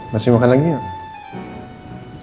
masih makan lagi gak